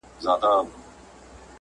د دولت او حکومت چارې به